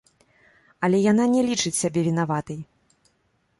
Але яна не лічыць сябе вінаватай!